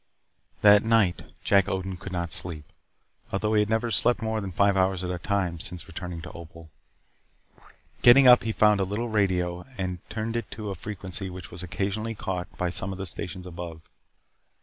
That night Jack Odin could not sleep, although he had never slept more than five hours at a time since returning to Opal. Getting up he found a little radio and turned it to a frequency which occasionally caught some of the stations above.